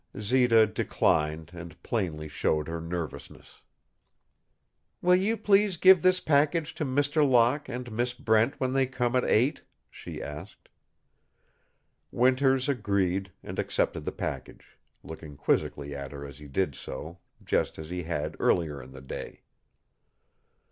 Zita declined and plainly showed her nervousness. "Will you please give this package to Mr. Locke and Miss Brent when they come at eight?" she asked. Winters agreed and accepted the package, looking quizzically at her as he did so, just as he had earlier in the day.